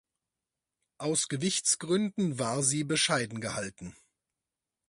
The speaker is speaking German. Aus Gewichtsgründen war sie bescheiden gehalten.